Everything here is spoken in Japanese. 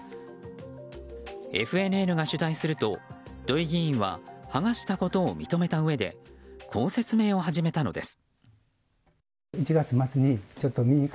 ＦＮＮが取材すると土井議員は剥がしたことを認めたうえでこう説明を始めたのです。